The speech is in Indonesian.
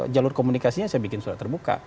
jalur komunikasinya saya bikin surat terbuka